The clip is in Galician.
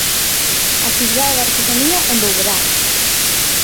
Actividade de artesanía en Boborás.